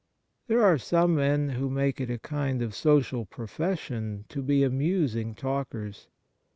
There are some men who make it a kind of social profession to be amusing talkers.